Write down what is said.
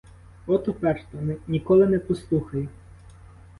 От уперта, ніколи не послухає.